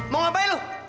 mau ngapain lu